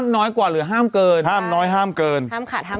น้อยกว่าหรือห้ามเกินห้ามน้อยห้ามเกินห้ามขาดห้าม